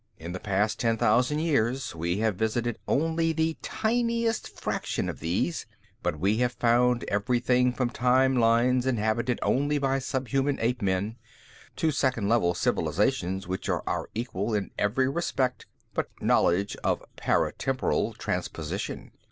In the past ten thousand years, we have visited only the tiniest fraction of these, but we have found everything from time lines inhabited only by subhuman ape men to Second Level civilizations which are our own equal in every respect but knowledge of paratemporal transposition.